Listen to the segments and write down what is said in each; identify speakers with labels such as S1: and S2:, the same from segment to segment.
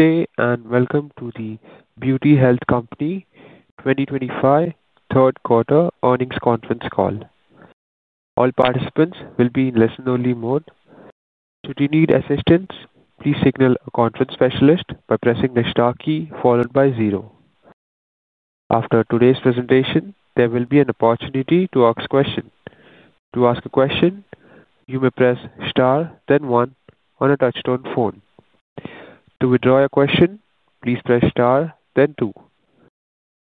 S1: Good day and welcome to the Beauty Health Company 2025 Third Quarter Earnings Conference Call. All participants will be in Listen-Only Mode. Should you need assistance, please signal a conference specialist by pressing the star key followed by zero. After today's presentation, there will be an opportunity to ask a question. To ask a question, you may press star, then one, on a touch-tone phone. To withdraw your question, please press star, then two.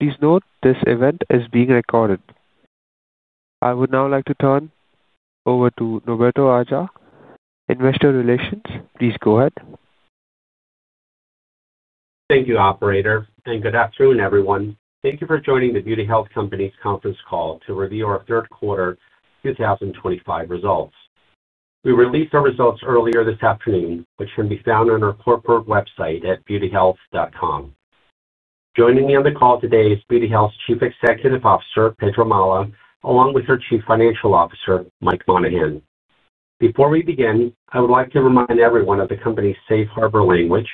S1: Please note this event is being recorded. I would now like to turn over to Norberto Aja, Investor Relations. Please go ahead.
S2: Thank you, Operator, and good afternoon, everyone. Thank you for joining The Beauty Health Company's Conference Call to review our third quarter 2025 results. We released our results earlier this afternoon, which can be found on our corporate website at beautyhealth.com. Joining me on the call today is Beauty Health's Chief Executive Officer, Pedro Mala, along with our Chief Financial Officer, Mike Monahan. Before we begin, I would like to remind everyone of the company's safe harbor language.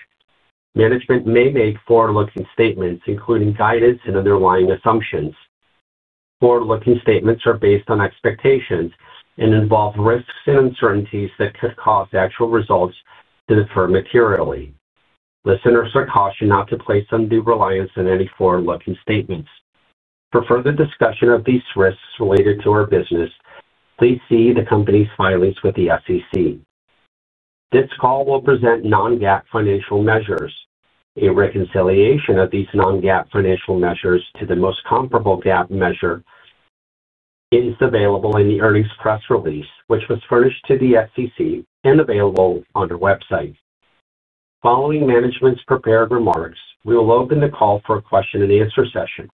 S2: Management may make forward-looking statements, including guidance and underlying assumptions. Forward-looking statements are based on expectations and involve risks and uncertainties that could cause actual results to differ materially. Listeners are cautioned not to place undue reliance on any forward-looking statements. For further discussion of these risks related to our business, please see the company's filings with the SEC. This call will present non-GAAP financial measures. A reconciliation of these non-GAAP financial measures to the most comparable GAAP measure is available in the earnings press release, which was furnished to the SEC and available on our website. Following management's prepared remarks, we will open the call for a Q&A session.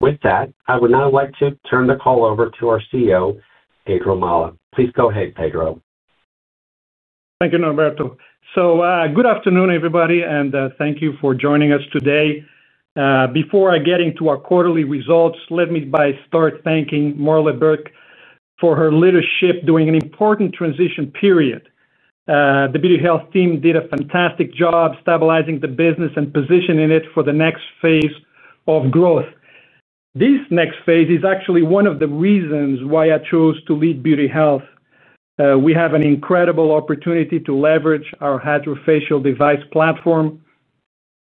S2: With that, I would now like to turn the call over to our CEO, Pedro Mala. Please go ahead, Pedro.
S3: Thank you, Norberto. Good afternoon, everybody, and thank you for joining us today. Before I get into our quarterly results, let me start by thanking Marla Beck for her leadership during an important transition period. The Beauty Health Team did a fantastic job stabilizing the business and positioning it for the next phase of growth. This next phase is actually one of the reasons why I chose to lead Beauty Health. We have an incredible opportunity to leverage our HydroFacial device platform and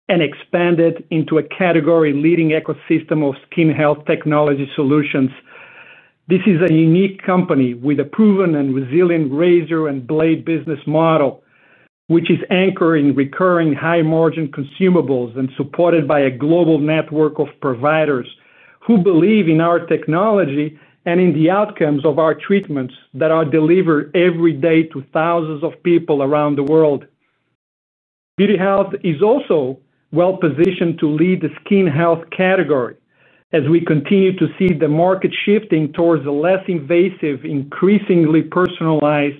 S3: expand it into a category-leading ecosystem of skin health technology solutions. This is a unique company with a proven and resilient Razor-and-Blade Business Model, which is anchored in recurring high-margin consumables and supported by a global network of providers who believe in our technology and in the outcomes of our treatments that are delivered every day to thousands of people around the world. Beauty Health is also well-positioned to lead the skin health category as we continue to see the market shifting towards a less invasive, increasingly personalized,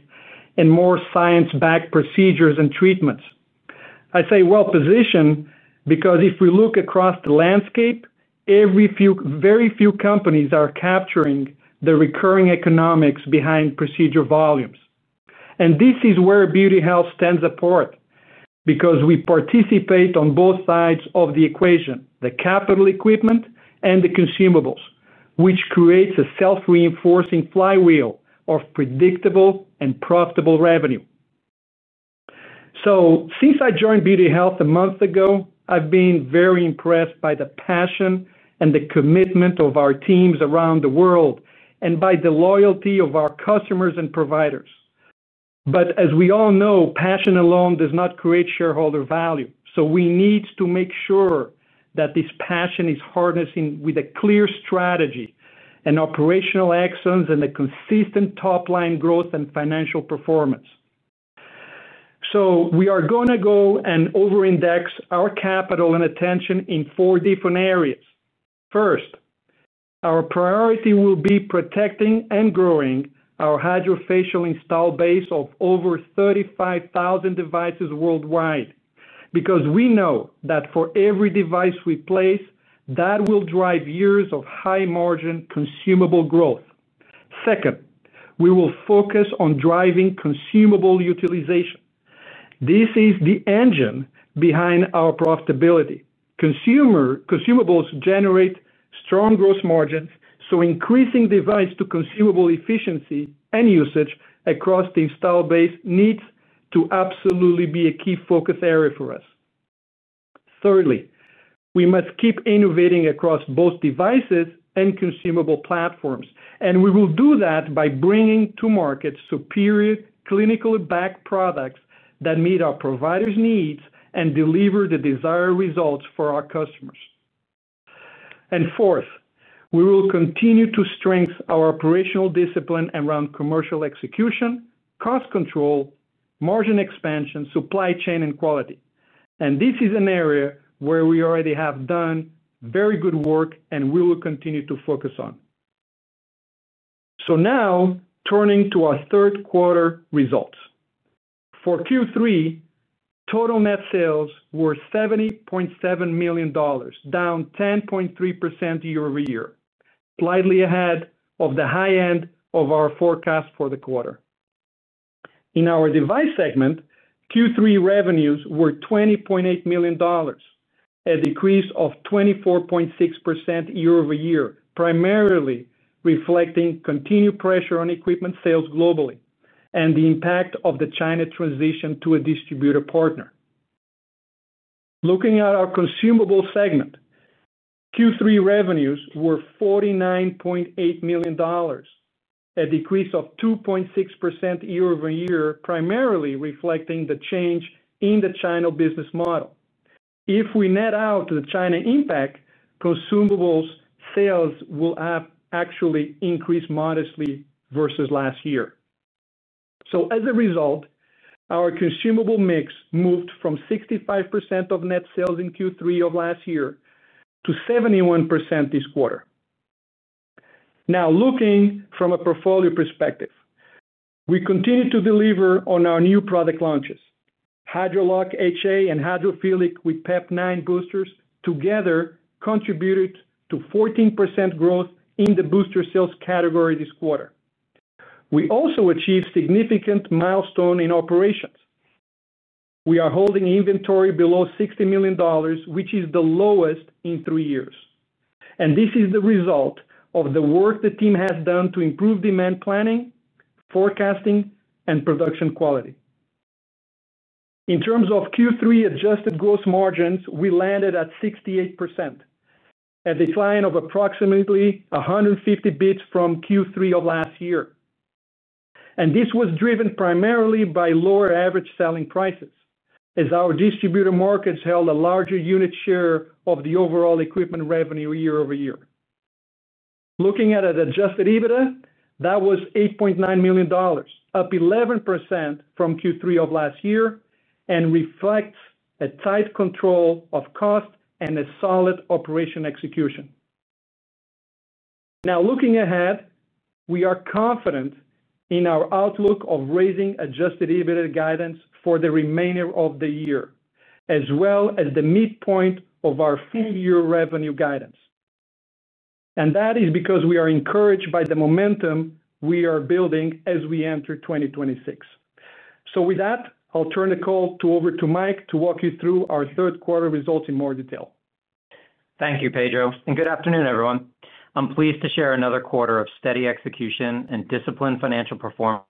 S3: and more science-backed procedures and treatments. I say well-positioned because if we look across the landscape, very few companies are capturing the recurring economics behind procedure volumes. This is where Beauty Health stands apart because we participate on both sides of the equation: the capital equipment and the consumables, which creates a self-reinforcing Flywheel of predictable and profitable revenue. Since I joined Beauty Health a month ago, I've been very impressed by the passion and the commitment of our teams around the world and by the loyalty of our customers and providers. As we all know, passion alone does not create shareholder value. We need to make sure that this passion is harnessed with a clear strategy, operational excellence, and consistent top-line growth and financial performance. We are going to go and over-index our capital and attention in four different areas. First, our priority will be protecting and growing our HydroFacial install base of over 35,000 devices worldwide because we know that for every device we place, that will drive years of high-margin consumable growth. Second, we will focus on driving consumable utilization. This is the engine behind our profitability. Consumables generate strong gross margins, so increasing device-to-consumable efficiency and usage across the install base needs to absolutely be a key focus area for us. Thirdly, we must keep innovating across both devices and consumable platforms. We will do that by bringing to market superior clinically backed products that meet our providers' needs and deliver the desired results for our customers. Fourth, we will continue to strengthen our operational discipline around commercial execution, cost control, margin expansion, supply chain, and quality. This is an area where we already have done very good work and we will continue to focus on. Now, turning to our third quarter results. For Q3, total net sales were $70.7 million, down 10.3% year-over-year, slightly ahead of the high end of our forecast for the quarter. In our device segment, Q3 revenues were $20.8 million, a decrease of 24.6% year-over-year, primarily reflecting continued pressure on equipment sales globally and the impact of the China transition to a distributor partner. Looking at our consumable segment, Q3 revenues were $49.8 million. A decrease of 2.6% year-over-year, primarily reflecting the change in the China business model. If we net out the China impact, consumables sales will actually increase modestly versus last year. As a result, our consumable mix moved from 65% of net sales in Q3 of last year to 71% this quarter. Now, looking from a portfolio perspective, we continue to deliver on our new product launches. HydroLock HA and HydroFillic with Pep9 Boosters together contributed to 14% growth in the booster sales category this quarter. We also achieved significant milestones in operations. We are holding inventory below $60 million, which is the lowest in three years. This is the result of the work the team has done to improve demand planning, forecasting, and production quality. In terms of Q3 adjusted gross margins, we landed at 68%, a decline of approximately 150 basis points from Q3 of last year. This was driven primarily by lower average selling prices as our distributor markets held a larger unit share of the overall equipment revenue year-over-year. Looking at adjusted EBITDA, that was $8.9 million, up 11% from Q3 of last year, and reflects a tight control of cost and a solid operation execution. Looking ahead, we are confident in our outlook of raising adjusted EBITDA guidance for the remainder of the year, as well as the midpoint of our full-year revenue guidance. That is because we are encouraged by the momentum we are building as we enter 2026. With that, I'll turn the call over to Mike to walk you through our third quarter results in more detail.
S4: Thank you, Pedro. Good afternoon, everyone. I'm pleased to share another quarter of steady execution and disciplined financial performance,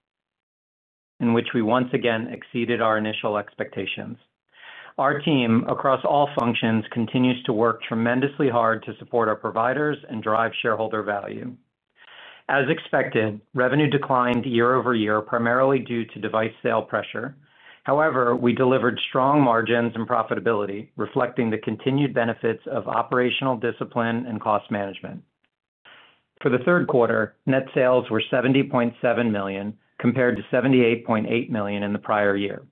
S4: in which we once again exceeded our initial expectations. Our team, across all functions, continues to work tremendously hard to support our providers and drive shareholder value. As expected, revenue declined year-over-year, primarily due to device sale pressure. However, we delivered strong margins and profitability, reflecting the continued benefits of operational discipline and cost management. For the third quarter, net sales were $70.7 million compared to $78.8 million in the prior year,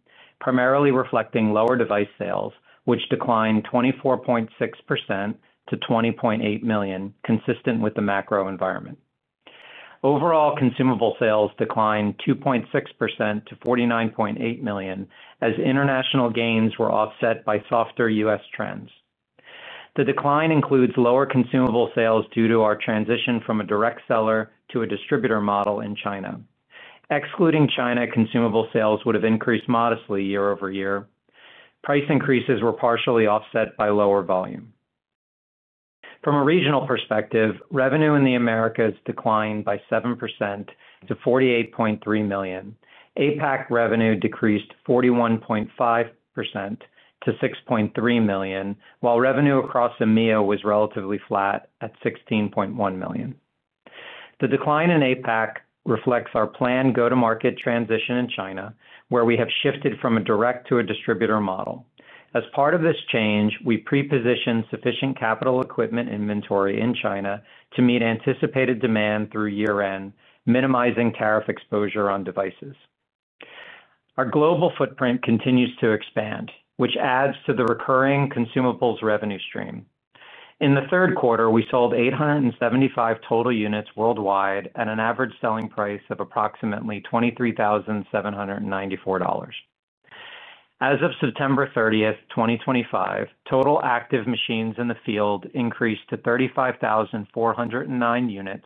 S4: primarily reflecting lower device sales, which declined 24.6% to $20.8 million, consistent with the macro environment. Overall, consumable sales declined 2.6% to $49.8 million as international gains were offset by softer U.S. trends. The decline includes lower consumable sales due to our transition from a direct seller to a distributor model in China. Excluding China, consumable sales would have increased modestly year-over-year. Price increases were partially offset by lower volume. From a regional perspective, revenue in the Americas declined by 7% to $48.3 million. APAC revenue decreased 41.5% to $6.3 million, while revenue across EMEA was relatively flat at $16.1 million. The decline in APAC reflects our planned go-to-market transition in China, where we have shifted from a direct-to-a-distributor model. As part of this change, we pre-positioned sufficient capital equipment inventory in China to meet anticipated demand through year-end, minimizing tariff exposure on devices. Our global footprint continues to expand, which adds to the recurring consumables revenue stream. In the third quarter, we sold 875 total units worldwide at an average selling price of approximately $23,794. As of September 30, 2025, total active machines in the field increased to 35,409 units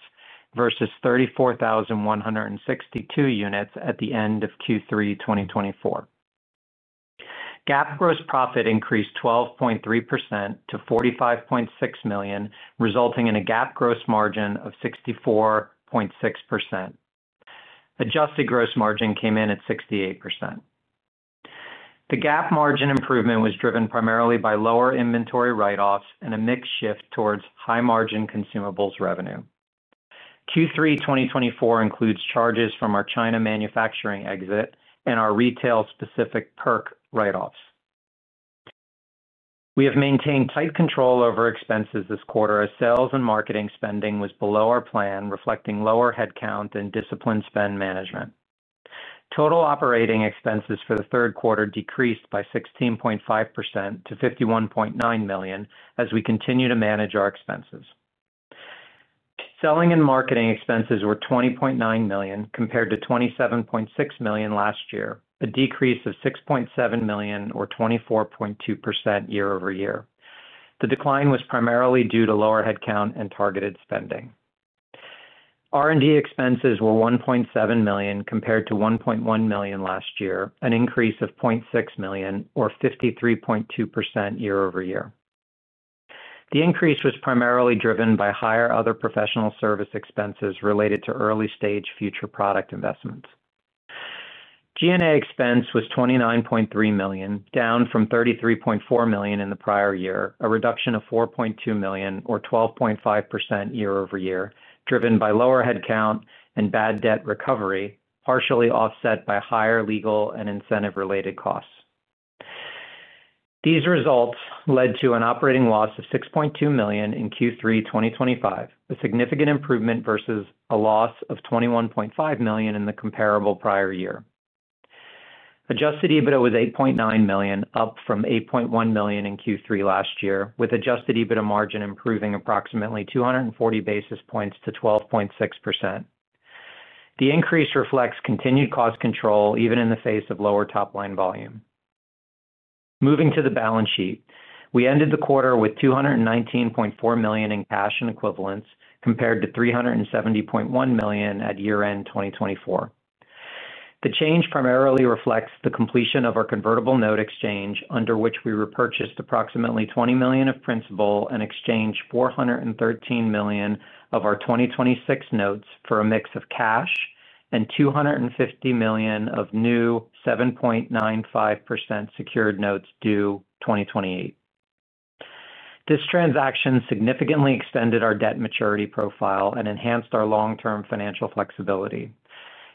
S4: versus 34,162 units at the end of Q3 2024. GAAP gross profit increased 12.3% to $45.6 million, resulting in a GAAP gross margin of 64.6%. Adjusted gross margin came in at 68%. The GAAP margin improvement was driven primarily by lower inventory write-offs and a mix shift towards high-margin consumables revenue. Q3 2024 includes charges from our China manufacturing exit and our retail-specific perk write-offs. We have maintained tight control over expenses this quarter as sales and marketing spending was below our plan, reflecting lower headcount and disciplined spend management. Total operating expenses for the third quarter decreased by 16.5% to $51.9 million as we continue to manage our expenses. Selling and marketing expenses were $20.9 million compared to $27.6 million last year, a decrease of $6.7 million, or 24.2% year-over-year. The decline was primarily due to lower headcount and targeted spending. R&D expenses were $1.7 million compared to $1.1 million last year, an increase of $0.6 million, or 53.2% year-over-year. The increase was primarily driven by higher other professional service expenses related to early-stage future product investments. G&A expense was $29.3 million, down from $33.4 million in the prior year, a reduction of $4.2 million, or 12.5% year-over-year, driven by lower headcount and bad debt recovery, partially offset by higher legal and incentive-related costs. These results led to an operating loss of $6.2 million in Q3 2025, a significant improvement versus a loss of $21.5 million in the comparable prior year. Adjusted EBITDA was $8.9 million, up from $8.1 million in Q3 last year, with adjusted EBITDA margin improving approximately 240 basis points to 12.6%. The increase reflects continued cost control even in the face of lower top-line volume. Moving to the balance sheet, we ended the quarter with $219.4 million in cash and equivalents compared to $370.1 million at year-end 2024. The change primarily reflects the completion of our convertible note exchange, under which we repurchased approximately $20 million of principal and exchanged $413 million of our 2026 notes for a mix of cash and $250 million of new 7.95% secured notes due 2028. This transaction significantly extended our debt maturity profile and enhanced our long-term financial flexibility.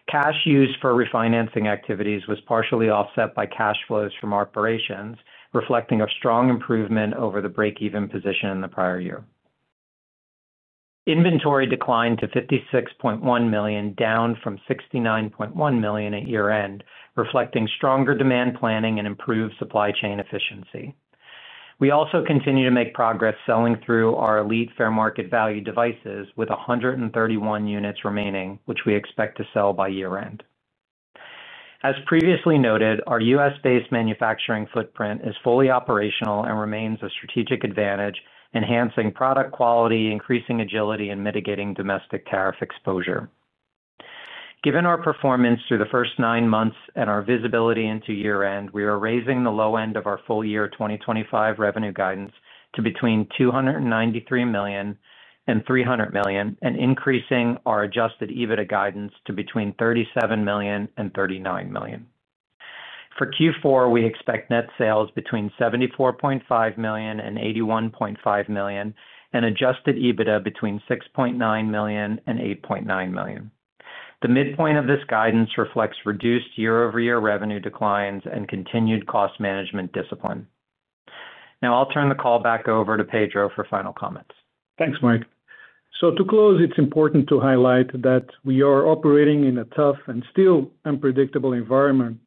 S4: Cash used for refinancing activities was partially offset by cash flows from operations, reflecting a strong improvement over the break-even position in the prior year. Inventory declined to $56.1 million, down from $69.1 million at year-end, reflecting stronger demand planning and improved supply chain efficiency. We also continue to make progress selling through our Elite fair market value devices, with 131 units remaining, which we expect to sell by year-end. As previously noted, our US-based manufacturing footprint is fully operational and remains a strategic advantage, enhancing product quality, increasing agility, and mitigating domestic tariff exposure. Given our performance through the first nine months and our visibility into year-end, we are raising the low end of our full-year 2025 revenue guidance to between $293 million and $300 million, and increasing our adjusted EBITDA guidance to between $37 million and $39 million. For Q4, we expect net sales between $74.5 million and $81.5 million, and adjusted EBITDA between $6.9 million and $8.9 million. The midpoint of this guidance reflects reduced year-over-year revenue declines and continued cost management discipline. Now, I'll turn the call back over to Pedro for final comments.
S3: Thanks, Mike. To close, it's important to highlight that we are operating in a tough and still unpredictable environment.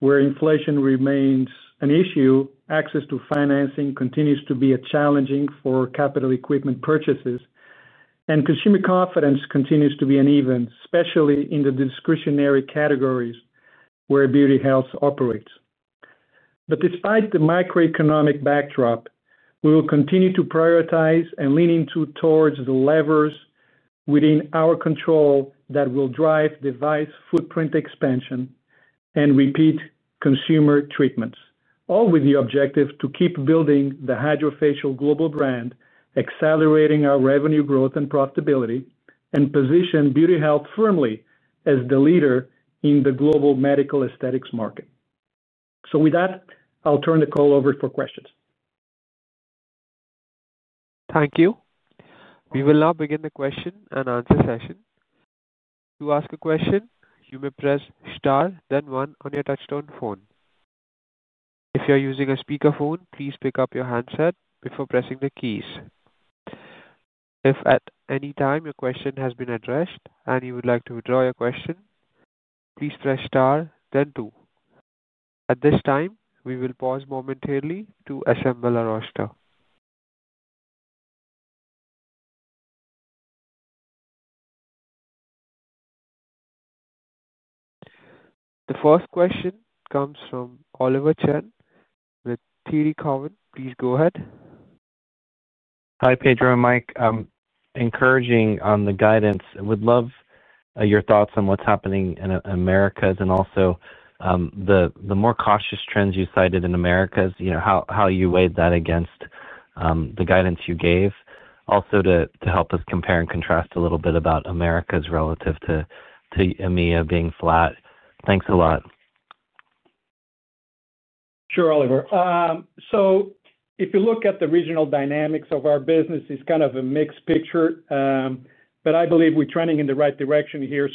S3: Inflation remains an issue, access to financing continues to be challenging for capital equipment purchases, and consumer confidence continues to be uneven, especially in the discretionary categories where Beauty Health operates. Despite the Macro-Economic Backdrop, we will continue to prioritize and lean towards the levers within our control that will drive device footprint expansion and repeat consumer treatments, all with the objective to keep building the Hydrofacial Global Brand, accelerating our revenue growth and profitability, and position Beauty Health firmly as the leader in the global medical aesthetics market. With that, I'll turn the call over for questions.
S1: Thank you. We will now begin the question and answer session. To ask a question, you may press Star, then 1 on your touchstone phone. If you're using a speakerphone, please pick up your handset before pressing the keys. If at any time your question has been addressed and you would like to withdraw your question, please press Star, then 2. At this time, we will pause momentarily to assemble our roster. The first question comes from Oliver Chen with TD Cowen. Please go ahead.
S5: Hi, Pedro, Mike. Encouraging on the guidance. Would love your thoughts on what's happening in Americas and also the more cautious trends you cited in Americas, how you weighed that against the guidance you gave. Also, to help us compare and contrast a little bit about Americas relative to EMEA being flat. Thanks a lot.
S3: Sure, Oliver. If you look at the regional dynamics of our business, it's kind of a mixed picture. I believe we're trending in the right direction here.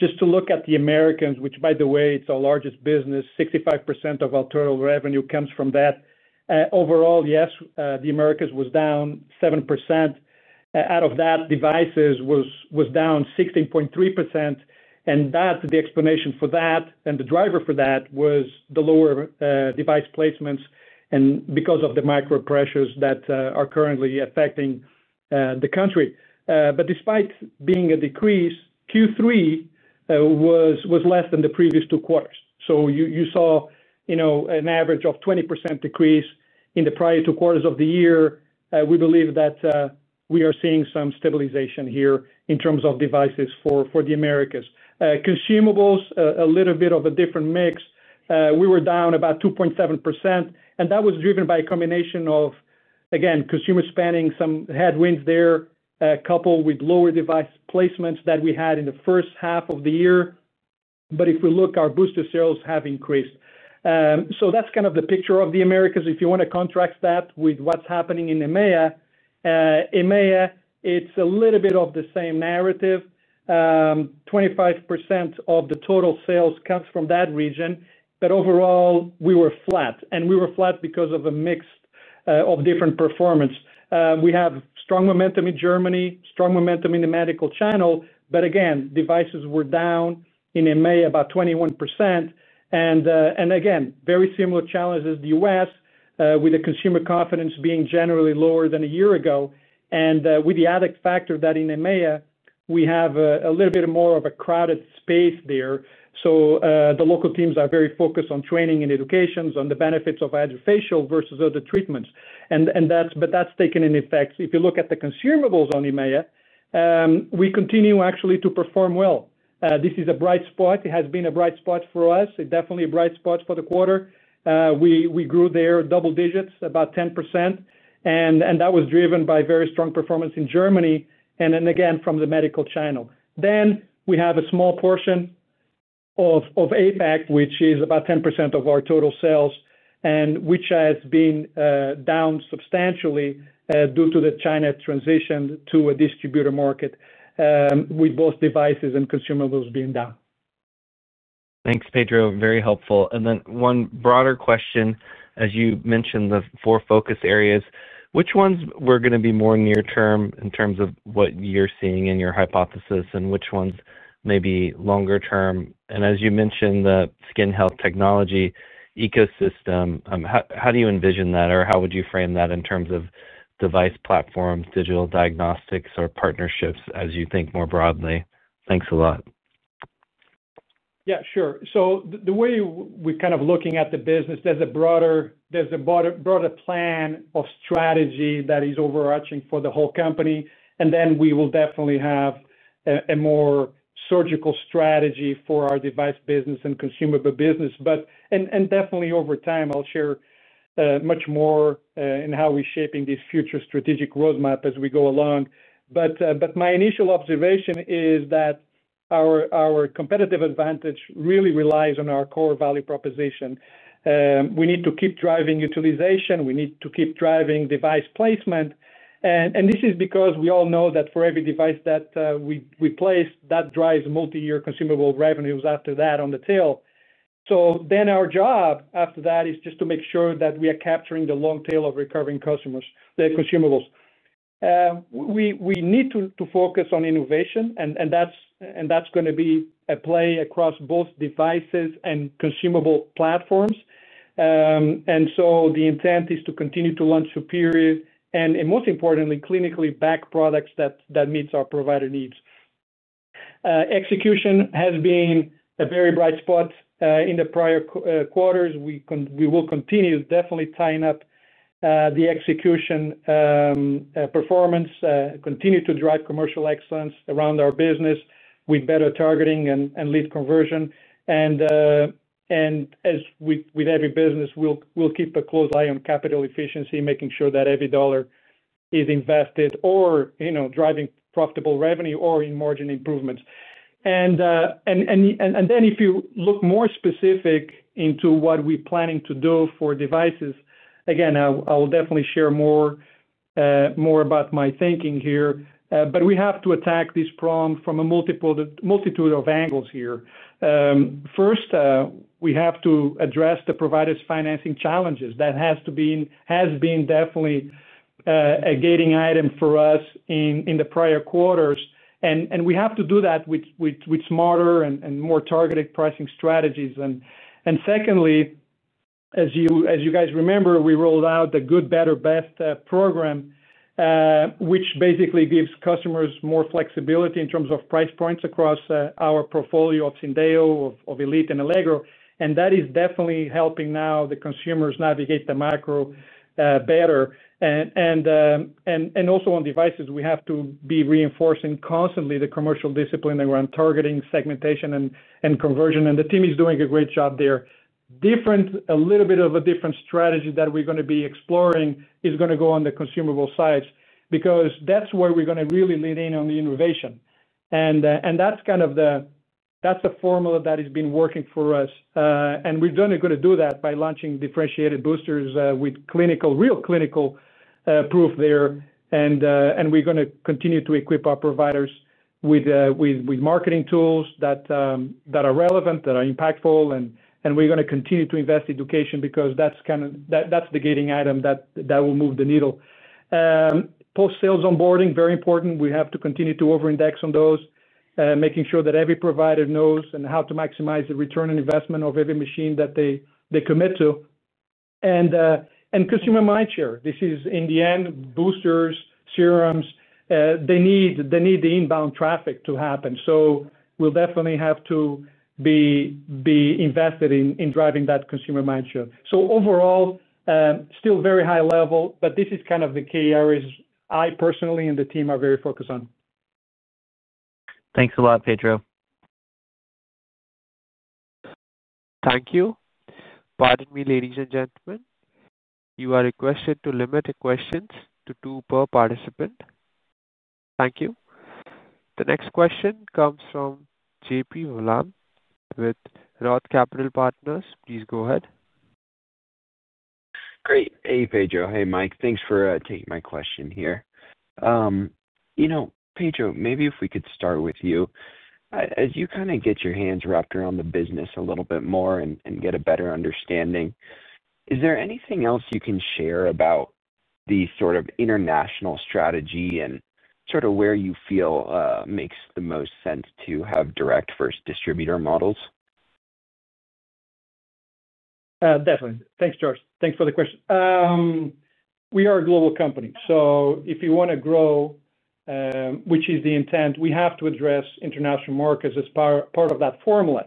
S3: Just to look at the Americas, which, by the way, is our largest business, 65% of our total revenue comes from that. Overall, yes, the Americas was down 7%. Out of that, devices was down 16.3%. The explanation for that and the driver for that was the lower device placements and because of the macro pressures that are currently affecting the country. Despite being a decrease, Q3 was less than the previous two quarters. You saw an average of 20% decrease in the prior two quarters of the year. We believe that we are seeing some stabilization here in terms of devices for the Americas. Consumables, a little bit of a different mix. We were down about 2.7%, and that was driven by a combination of, again, consumer spending, some headwinds there, coupled with lower device placements that we had in the first half of the year. If we look, our booster sales have increased. That is kind of the picture of the Americas. If you want to contrast that with what is happening in EMEA. EMEA, it is a little bit of the same narrative. 25% of the total sales comes from that region. Overall, we were flat. We were flat because of a mix of different performance. We have strong momentum in Germany, strong momentum in the medical channel. Devices were down in EMEA about 21%. Very similar challenges in the U.S. with the consumer confidence being generally lower than a year ago. With the added factor that in EMEA, we have a little bit more of a crowded space there. The local teams are very focused on training and education on the benefits of HydroFacial versus other treatments. That has taken effect. If you look at the consumables in EMEA, we continue actually to perform well. This is a bright spot. It has been a bright spot for us. It is definitely a bright spot for the quarter. We grew there, double digits, about 10%. That was driven by very strong performance in Germany and again from the medical channel. We have a small portion of APAC, which is about 10% of our total sales, and which has been down substantially due to the China transition to a distributor market, with both devices and consumables being down.
S5: Thanks, Pedro. Very helpful. One broader question, as you mentioned the four focus areas, which ones were going to be more near-term in terms of what you're seeing in your hypothesis and which ones may be longer-term? As you mentioned, the skin health technology ecosystem, how do you envision that, or how would you frame that in terms of device platforms, digital diagnostics, or partnerships as you think more broadly? Thanks a lot.
S3: Yeah, sure. The way we're kind of looking at the business, there's a broader plan of strategy that is overarching for the whole company. We will definitely have a more surgical strategy for our device business and consumable business. Definitely over time, I'll share much more in how we're shaping this future strategic roadmap as we go along. My initial observation is that our competitive advantage really relies on our core value proposition. We need to keep driving utilization. We need to keep driving device placement. This is because we all know that for every device that we place, that drives multi-year consumable revenues after that on the tail. Our job after that is just to make sure that we are capturing the long tail of recurring customers, the consumables. We need to focus on innovation, and that's going to be a play across both devices and consumable platforms. The intent is to continue to launch superior and, most importantly, clinically backed products that meet our provider needs. Execution has been a very bright spot in the prior quarters. We will continue definitely tying up the execution. Performance, continue to drive commercial excellence around our business with better targeting and lead conversion. As with every business, we'll keep a close eye on capital efficiency, making sure that every dollar is invested or driving profitable revenue or in margin improvements. If you look more specific into what we're planning to do for devices, again, I will definitely share more about my thinking here. We have to attack this problem from a multitude of angles here. First, we have to address the providers' financing challenges. That has been definitely a gating item for us in the prior quarters. We have to do that with smarter and more targeted pricing strategies. Secondly, as you guys remember, we rolled out the Good, Better, Best program, which basically gives customers more flexibility in terms of price points across our portfolio of Syndeo, Elite, and Allegro. That is definitely helping now the consumers navigate the macro better. Also, on devices, we have to be reinforcing constantly the commercial discipline around targeting, segmentation, and conversion, and the team is doing a great job there. A little bit of a different strategy that we're going to be exploring is going to go on the consumable sides because that's where we're going to really lean in on the innovation, and that's kind of the formula that has been working for us. We are going to do that by launching differentiated boosters with real clinical proof there. We are going to continue to equip our providers with marketing tools that are relevant, that are impactful. We are going to continue to invest in education because that is the gating item that will move the needle. Post-sales onboarding, very important. We have to continue to over-index on those, making sure that every provider knows how to maximize the return on investment of every machine that they commit to. Consumer mindshare, this is, in the end, boosters, serums. They need the inbound traffic to happen. We will definitely have to be invested in driving that consumer mindshare. Overall, still very high level, but this is kind of the key areas I personally and the team are very focused on.
S5: Thanks a lot, Pedro.
S1: Thank you. Pardon me, ladies and gentlemen. You are requested to limit questions to two per participant. Thank you. The next question comes from JP Holan with North Capital Partners. Please go ahead.
S6: Great. Hey, Pedro. Hey, Mike. Thanks for taking my question here. Pedro, maybe if we could start with you. As you kind of get your hands wrapped around the business a little bit more and get a better understanding, is there anything else you can share about the sort of international strategy and sort of where you feel makes the most sense to have direct-first distributor models? Definitely. Thanks, George. Thanks for the question. We are a global company. If you want to grow, which is the intent, we have to address international markets as part of that formula.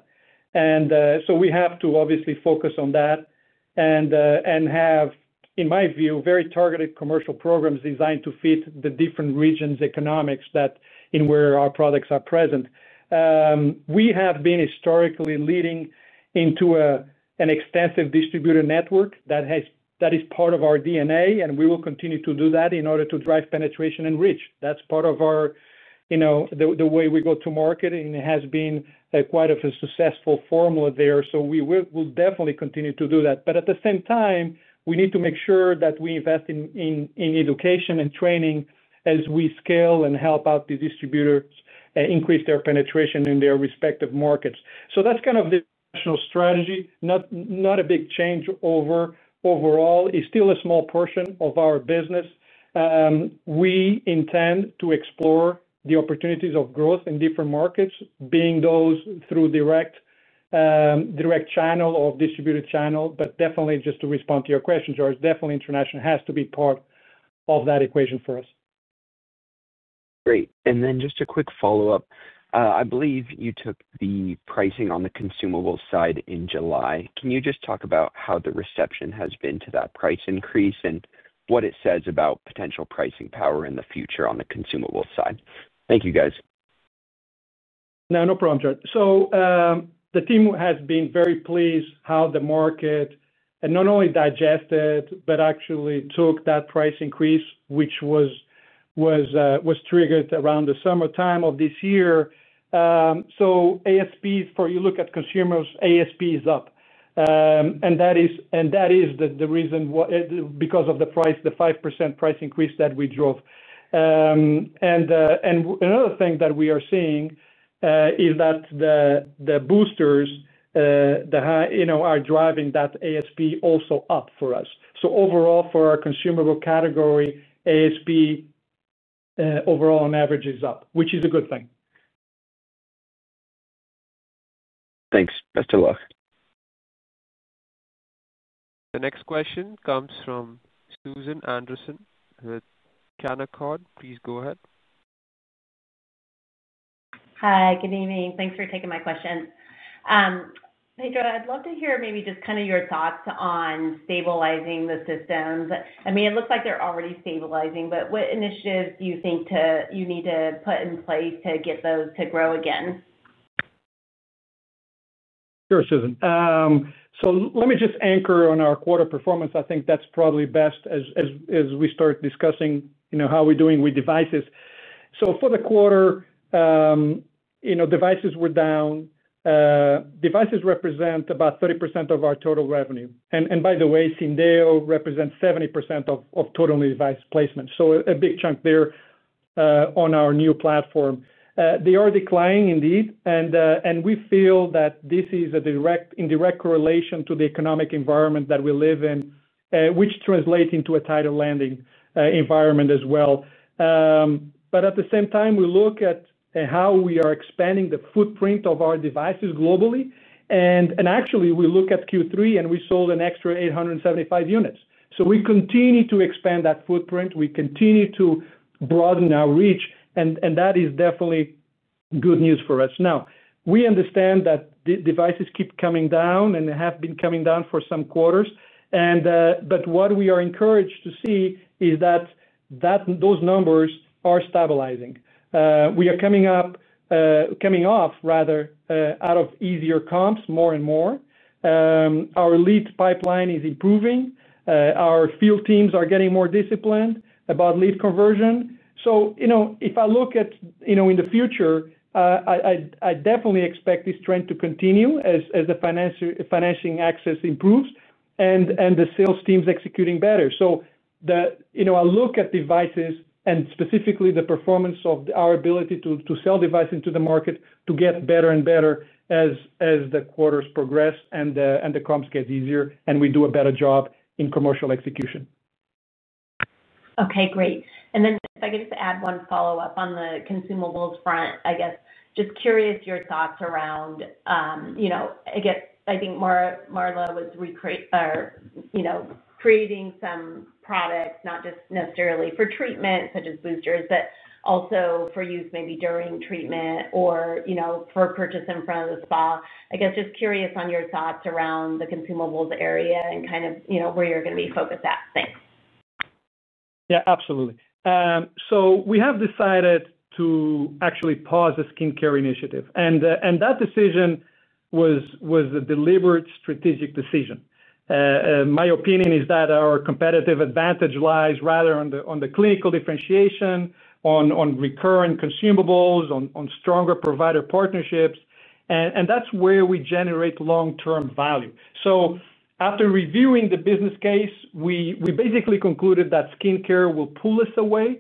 S6: We have to obviously focus on that and have, in my view, very targeted commercial programs designed to fit the different regions' economics in where our products are present. We have been historically leading into an extensive distributor network that is part of our DNA, and we will continue to do that in order to drive penetration and reach. That is part of the way we go to market, and it has been quite a successful formula there. We will definitely continue to do that. At the same time, we need to make sure that we invest in education and training as we scale and help out the distributors increase their penetration in their respective markets. That is kind of the national strategy. Not a big change overall. It is still a small portion of our business. We intend to explore the opportunities of growth in different markets, being those through direct channel or distributed channel. Definitely, just to respond to your question, George, definitely international has to be part of that equation for us. Great. Just a quick follow-up. I believe you took the pricing on the consumable side in July. Can you just talk about how the reception has been to that price increase and what it says about potential pricing power in the future on the consumable side? Thank you, guys. No, no problem, George. The team has been very pleased how the market not only digested but actually took that price increase, which was triggered around the summertime of this year. ASP, if you look at consumers, ASP is up. That is the reason because of the price, the 5% price increase that we drove. Another thing that we are seeing is that the boosters are driving that ASP also up for us. Overall, for our consumable category, ASP overall on average is up, which is a good thing. Thanks. Best of luck.
S1: The next question comes from Susan Anderson with Canaccord. Please go ahead.
S7: Hi, good evening. Thanks for taking my questions. Pedro, I'd love to hear maybe just kind of your thoughts on stabilizing the systems. I mean, it looks like they're already stabilizing, but what initiatives do you think you need to put in place to get those to grow again?
S3: Sure, Susan. Let me just anchor on our quarter performance. I think that's probably best as we start discussing how we're doing with devices. For the quarter, devices were down. Devices represent about 30% of our total revenue. By the way, Syndeo represents 70% of total device placement, so a big chunk there on our new platform. They are declining, indeed, and we feel that this is a direct, indirect correlation to the economic environment that we live in, which translates into a tighter landing environment as well. At the same time, we look at how we are expanding the footprint of our devices globally. Actually, we look at Q3, and we sold an extra 875 units. We continue to expand that footprint. We continue to broaden our reach, and that is definitely good news for us. Now, we understand that devices keep coming down and have been coming down for some quarters. What we are encouraged to see is that those numbers are stabilizing. We are coming out of easier comps more and more. Our lead pipeline is improving. Our field teams are getting more disciplined about lead conversion. If I look at in the future, I definitely expect this trend to continue as the financing access improves and the sales teams are executing better. I look at devices and specifically the performance of our ability to sell devices into the market to get better and better as the quarters progress and the comps get easier and we do a better job in commercial execution.
S7: Okay, great. If I get to add one follow-up on the consumables front, I guess just curious your thoughts around, I guess I think Marla was creating some products, not just necessarily for treatment such as boosters, but also for use maybe during treatment or for purchase in front of the spa. I guess just curious on your thoughts around the consumables area and kind of where you're going to be focused at. Thanks.
S3: Yeah, absolutely. We have decided to actually pause the skincare initiative. That decision was a deliberate strategic decision. My opinion is that our competitive advantage lies rather on the clinical differentiation, on recurring consumables, on stronger provider partnerships. That is where we generate long-term value. After reviewing the business case, we basically concluded that skincare will pull us away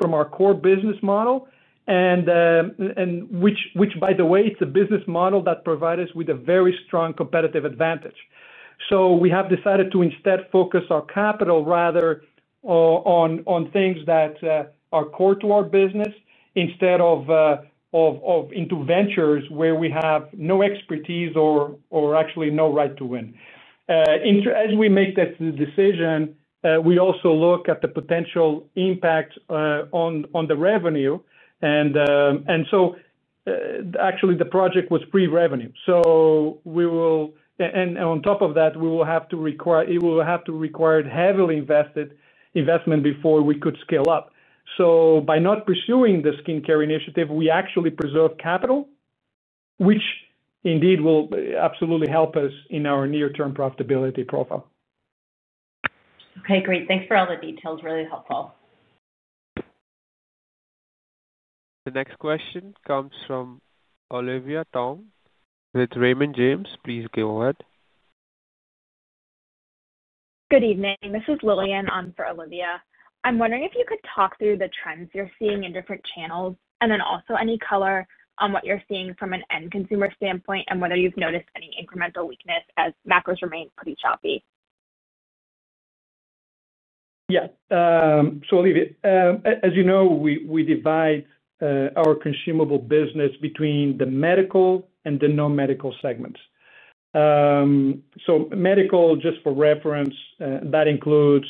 S3: from our core business model, which, by the way, is a business model that provides us with a very strong competitive advantage. We have decided to instead focus our capital on things that are core to our business instead of ventures where we have no expertise or actually no right to win. As we make this decision, we also look at the potential impact on the revenue. Actually, the project was pre-revenue. On top of that, we will have to require, it will have to require heavily invested investment before we could scale up. By not pursuing the skincare initiative, we actually preserve capital, which indeed will absolutely help us in our near-term profitability profile.
S8: Okay, great. Thanks for all the details. Really helpful.
S1: The next question comes from Olivia Tong with Raymond James. Please go ahead.
S9: Good evening. This is Lillian for Olivia. I'm wondering if you could talk through the trends you're seeing in different channels and then also any color on what you're seeing from an end consumer standpoint and whether you've noticed any incremental weakness as macros remain pretty choppy.
S3: Yes. Olivia, as you know, we divide our consumable business between the medical and the non-medical segments. Medical, just for reference, includes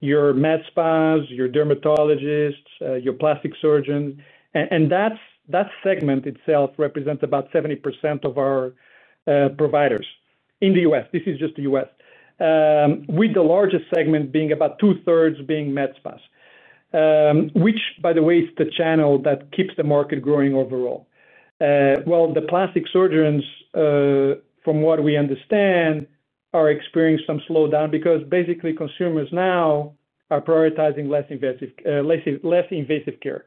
S3: your med spas, your dermatologists, your plastic surgeons. That segment itself represents about 70% of our providers in the U.S. This is just the U.S., with the largest segment being about two-thirds med spas, which, by the way, is the channel that keeps the market growing overall. The plastic surgeons, from what we understand, are experiencing some slowdown because basically consumers now are prioritizing less invasive care.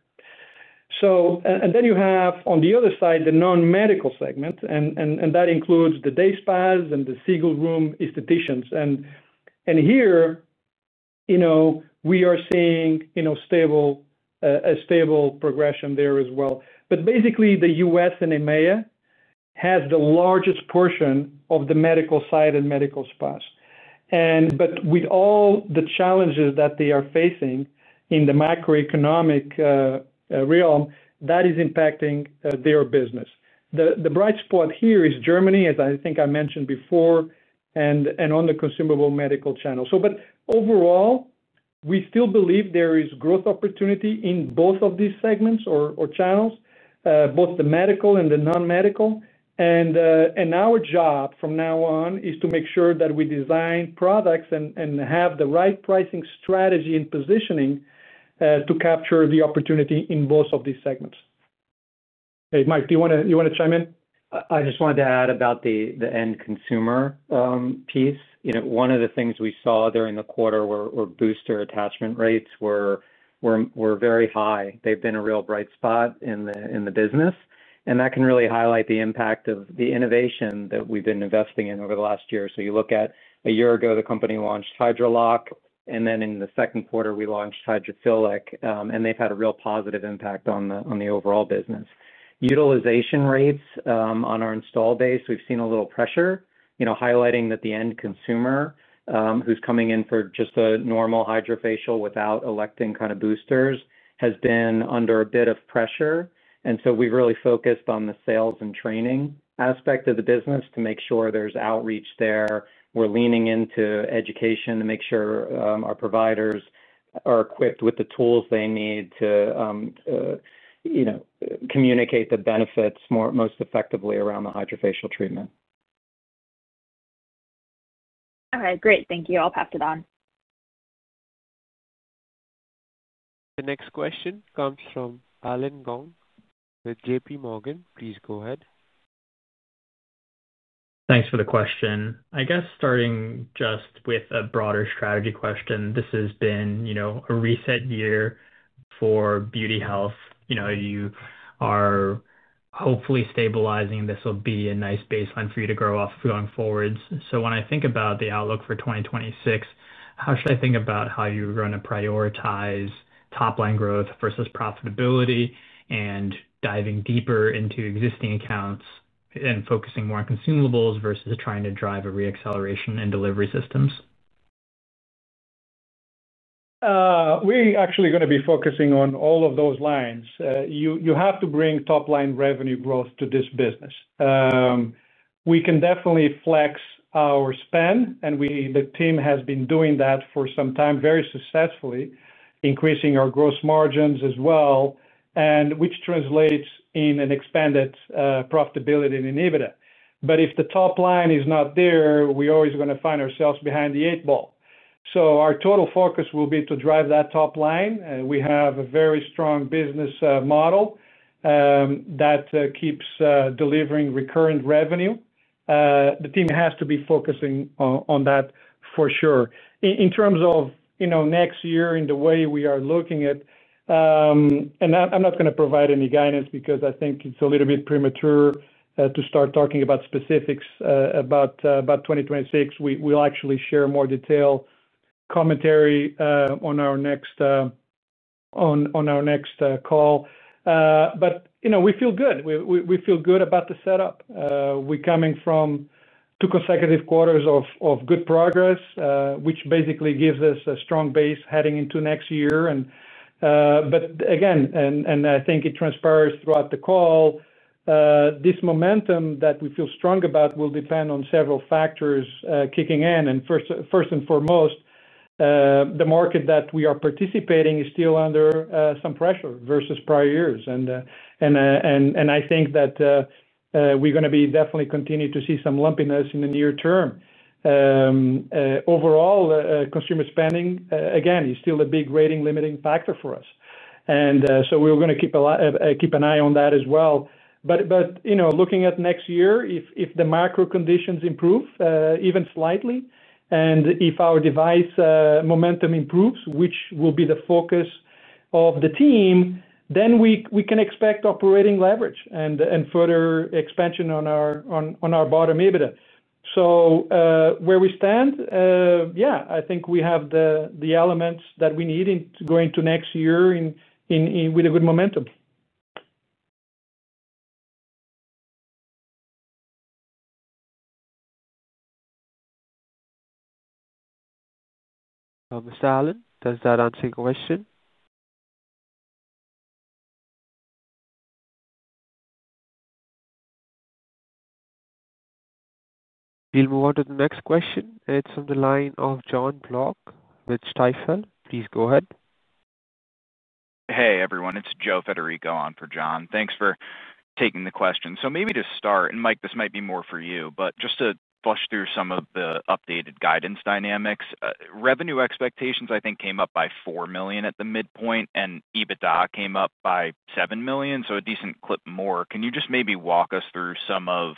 S3: On the other side, the non-medical segment includes the day spas and the single room estheticians. Here, we are seeing a stable progression there as well. Basically, the U.S. and EMEA have the largest portion of the medical side and medical spas. With all the challenges that they are facing in the macroeconomic realm, that is impacting their business. The bright spot here is Germany, as I think I mentioned before, and on the consumable medical channel. Overall, we still believe there is growth opportunity in both of these segments or channels, both the medical and the non-medical. Our job from now on is to make sure that we design products and have the right pricing strategy and positioning to capture the opportunity in both of these segments. Hey, Mike, do you want to chime in?
S4: I just wanted to add about the end consumer piece. One of the things we saw during the quarter were booster attachment rates were very high. They've been a real bright spot in the business. That can really highlight the impact of the innovation that we've been investing in over the last year. You look at a year ago, the company launched Hydrolock. In the second quarter, we launched Hydrophilic. They've had a real positive impact on the overall business. Utilization rates on our install base, we've seen a little pressure, highlighting that the end consumer who's coming in for just a normal Hydrofacial without electing kind of boosters has been under a bit of pressure. We have really focused on the sales and training aspect of the business to make sure there's outreach there. We're leaning into education to make sure our providers are equipped with the tools they need to communicate the benefits most effectively around the Hydrafacial treatment.
S9: All right. Great. Thank you. I'll pass it on.
S1: The next question comes from Alan Gong with JPMorgan. Please go ahead.
S10: Thanks for the question. I guess starting just with a broader strategy question, this has been a reset year for Beauty Health. You are hopefully stabilizing. This will be a nice baseline for you to grow off going forward. When I think about the outlook for 2026, how should I think about how you're going to prioritize top-line growth versus profitability and diving deeper into existing accounts and focusing more on consumables versus trying to drive a reacceleration in delivery systems?
S3: We're actually going to be focusing on all of those lines. You have to bring top-line revenue growth to this business. We can definitely flex our spend. The team has been doing that for some time very successfully, increasing our gross margins as well, which translates in an expanded profitability and inhibitor. If the top line is not there, we're always going to find ourselves behind the eight ball. Our total focus will be to drive that top line. We have a very strong business model. That keeps delivering recurrent revenue. The team has to be focusing on that for sure. In terms of next year and the way we are looking at it, I'm not going to provide any guidance because I think it's a little bit premature to start talking about specifics about 2026. We'll actually share more detailed commentary on our next call. We feel good. We feel good about the setup. We're coming from two consecutive quarters of good progress, which basically gives us a strong base heading into next year. Again, I think it transpires throughout the call. This momentum that we feel strong about will depend on several factors kicking in. First and foremost, the market that we are participating in is still under some pressure versus prior years. I think that we're going to definitely continue to see some lumpiness in the near term. Overall, consumer spending, again, is still a big rate-limiting factor for us, and so we're going to keep an eye on that as well. Looking at next year, if the macro conditions improve even slightly, and if our device momentum improves, which will be the focus of the team, then we can expect operating leverage and further expansion on our bottom EBITDA. Where we stand, I think we have the elements that we need going into next year with a good momentum.
S1: Mr. Allen, does that answer your question? We'll move on to the next question. It's on the line of John Block with Stifel. Please go ahead.
S11: Hey, everyone. It's Joe Federico on for John. Thanks for taking the question. Maybe to start, and Mike, this might be more for you, just to flush through some of the updated guidance dynamics, revenue expectations, I think, came up by $4 million at the midpoint, and EBITDA came up by $7 million. A decent clip more. Can you just maybe walk us through some of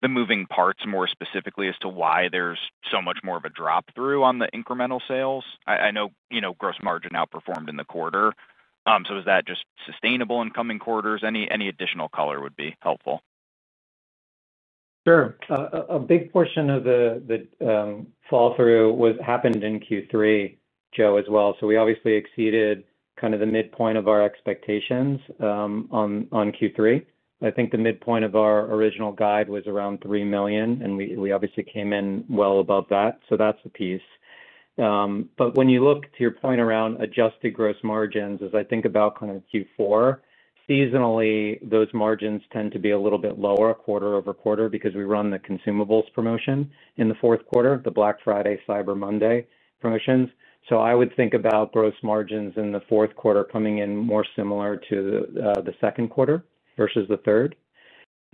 S11: the moving parts more specifically as to why there's so much more of a drop-through on the incremental sales? I know gross margin outperformed in the quarter. Is that just sustainable in coming quarters? Any additional color would be helpful.
S4: Sure. A big portion of the fall-through happened in Q3, Joe, as well. We obviously exceeded kind of the midpoint of our expectations on Q3. I think the midpoint of our original guide was around $3 million, and we obviously came in well above that. That is the piece. When you look to your point around adjusted gross margins, as I think about kind of Q4, seasonally, those margins tend to be a little bit lower quarter over quarter because we run the consumables promotion in the fourth quarter, the Black Friday, Cyber Monday promotions. I would think about gross margins in the fourth quarter coming in more similar to the second quarter versus the third.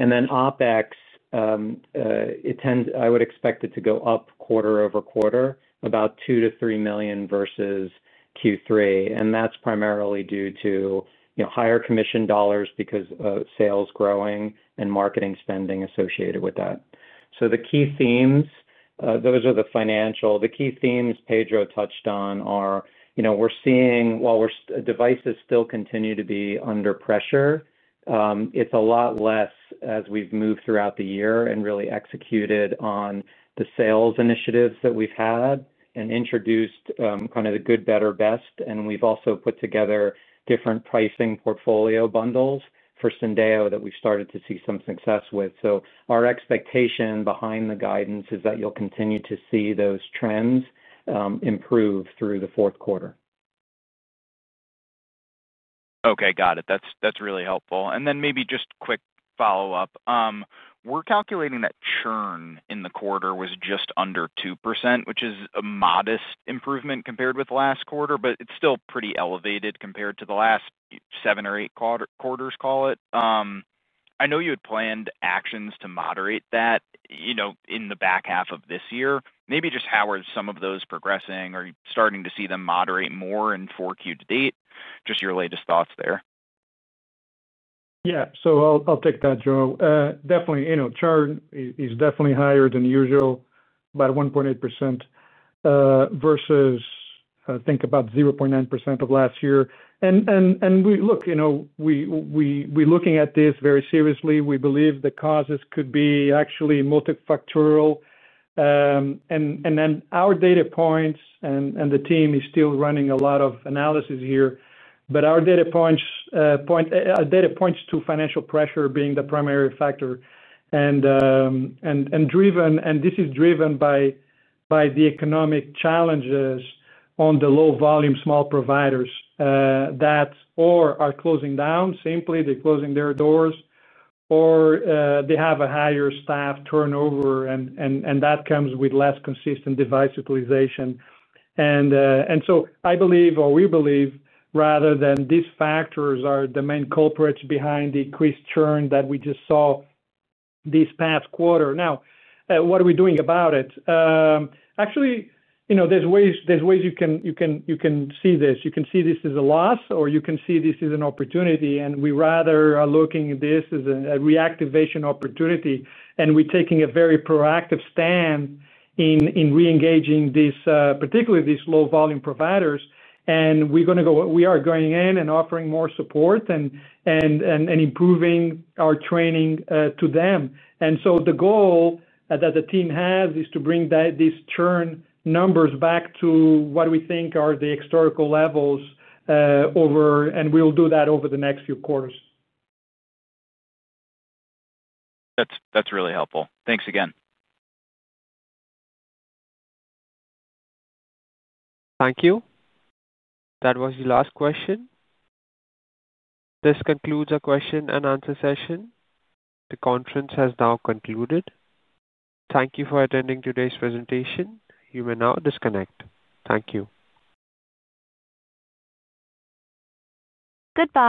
S4: OPEX, I would expect it to go up quarter-over-quarter, about $2-$3 million versus Q3. That is primarily due to. Higher commission dollars because of sales growing and marketing spending associated with that. The key themes, those are the financial. The key themes Pedro touched on are. While devices still continue to be under pressure, it's a lot less as we've moved throughout the year and really executed on the sales initiatives that we've had and introduced kind of the good, better, best. We've also put together different pricing portfolio bundles for Syndeo that we've started to see some success with. Our expectation behind the guidance is that you'll continue to see those trends improve through the fourth quarter.
S11: Okay. Got it. That's really helpful. Maybe just quick follow-up. We're calculating that churn in the quarter was just under 2%, which is a modest improvement compared with last quarter, but it's still pretty elevated compared to the last seven or eight quarters, call it. I know you had planned actions to moderate that. In the back half of this year, maybe just how are some of those progressing or starting to see them moderate more in Q4 to date? Just your latest thoughts there.
S3: Yeah. I'll take that, Joe. Churn is definitely higher than usual, about 1.8%, versus I think about 0.9% last year. We're looking at this very seriously. We believe the causes could be actually multifactorial. Our data points and the team are still running a lot of analysis here. Our data points to financial pressure being the primary factor. This is driven by the economic challenges on the low-volume small providers that are closing down. Simply, they're closing their doors, or they have a higher staff turnover, and that comes with less consistent device utilization. I believe, or we believe, rather, that these factors are the main culprits behind the increased churn that we just saw this past quarter. Now, what are we doing about it? Actually, there are ways you can see this. You can see this as a loss, or you can see this as an opportunity. We rather are looking at this as a reactivation opportunity, and we are taking a very proactive stand in reengaging particularly these low-volume providers. We are going in and offering more support and improving our training to them. The goal that the team has is to bring these churn numbers back to what we think are the historical levels. We will do that over the next few quarters.
S11: That's really helpful. Thanks again.
S1: Thank you. That was the last question. This concludes our question and answer session. The conference has now concluded. Thank you for attending today's presentation. You may now disconnect. Thank you.
S9: Goodbye.